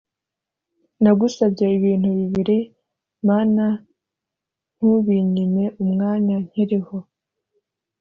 Nagusabye ibintu bibiri mana ntubinyime umwanya nkiriho